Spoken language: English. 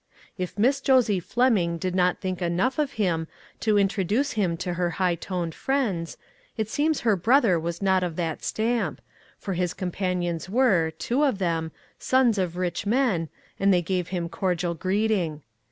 If Miss Josie Fleming did not think enough of him to introduce him to her high toned friends, it seems her brother was not of that stamp, for his companions were, two of them, sons of rich men, and they gave him cordial greeting.